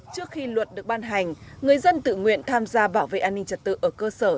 trước khi luật được ban hành người dân tự nguyện tham gia bảo vệ an ninh trật tự ở cơ sở